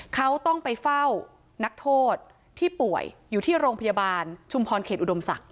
เขาต้องไปเฝ้านักโทษที่ป่วยอยู่ที่โรงพยาบาลชุมพรเขตอุดมศักดิ